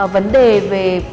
vấn đề về